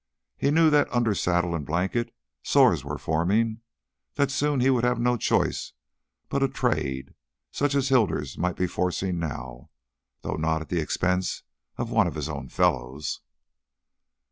He knew that under saddle and blanket, sores were forming, that soon he would have no choice but a "trade" such as Hilders might be forcing now, though not at the expense of one of his own fellows.